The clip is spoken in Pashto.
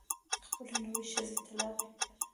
خپلې نورې ښځې طلاقې کړې.